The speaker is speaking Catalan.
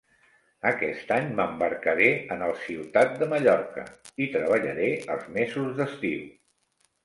Aquest any m'embarcaré en el "Ciutat de Mallorca": hi treballaré els mesos d'estiu.